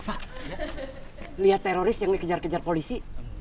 pak lihat teroris yang dikejar kejar polisi